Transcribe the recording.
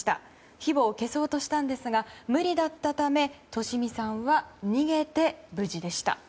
火を消そうしたんですが無理だったため利美さんは逃げて無事でした。